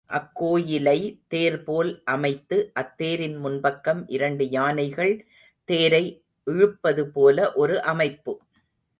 அக்கோயிலை தேர்போல் அமைத்து அத்தேரின் முன்பக்கம் இரண்டு யானைகள் தேரை இழுப்பதுபோல ஒரு அமைப்பு.